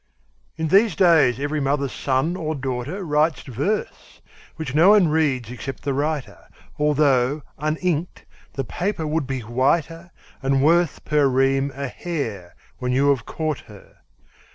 IN these days, every mother's son or daughter Writes verse, which no one reads except the writer, Although, uninked, the paper would be whiter, And worth, per ream, a hare, when you have caught her.